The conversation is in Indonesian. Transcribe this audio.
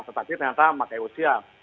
tetapi ternyata pakai usia